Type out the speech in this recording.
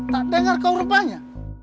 tak dengar kau rupanya